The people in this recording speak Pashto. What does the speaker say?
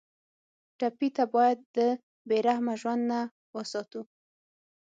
ټپي ته باید د بې رحمه ژوند نه وساتو.